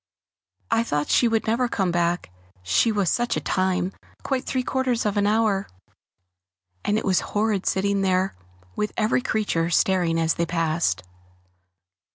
I thought she would never come back, she was such a time, quite three quarters of an hour; and it was horrid sitting there alone, with every creature staring as they passed.